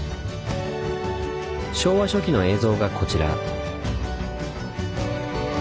昭和初期の映像がこちら。